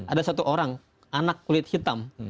ada satu orang anak kulit hitam